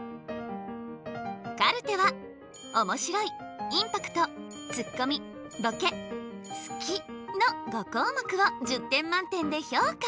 カルテはおもしろいインパクトツッコミボケ好きの５項目を１０点満点で評価。